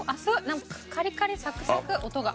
なんかカリカリサクサク音が。